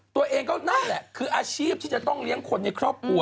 ตัวเองก็นั่นแหละคืออาชีพที่จะต้องเลี้ยงคนในครอบครัว